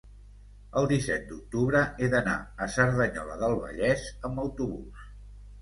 el disset d'octubre he d'anar a Cerdanyola del Vallès amb autobús.